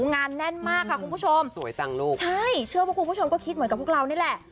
งานแน่นมากค่ะคุณผู้ชมสวยจังลูกใช่เชื่อว่าคุณผู้ชมก็คิดเหมือนกับพวกเรานี่แหละ